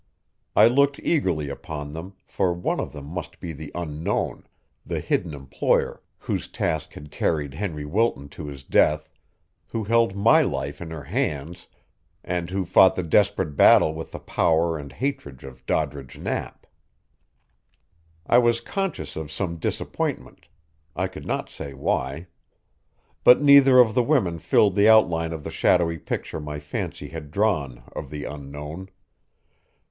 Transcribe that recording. I looked eagerly upon them, for one of them must be the Unknown, the hidden employer whose task had carried Henry Wilton to his death, who held my life in her hands, and who fought the desperate battle with the power and hatred of Doddridge Knapp. I was conscious of some disappointment, I could not say why. But neither of the women filled the outline of the shadowy picture my fancy had drawn of the Unknown.